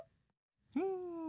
うん。